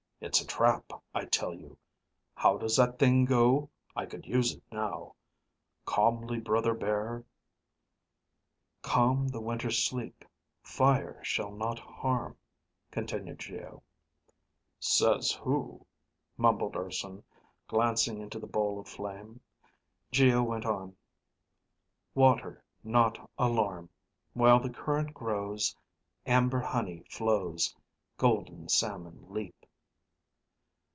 "It's a trap I tell you. How does that thing go? I could use it now. Calmly brother bear ..." "Calm the winter sleep, Fire shall not harm," continued Geo. "Says who," mumbled Urson glancing into the bowl of flame. Geo went on: "_water not alarm. While the current grows, amber honey flows, golden salmon leap.